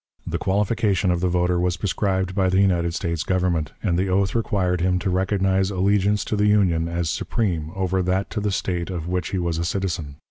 The qualification of the voter was prescribed by the United States Government, and the oath required him to recognize allegiance to the Union as supreme over that to the State of which he was a citizen.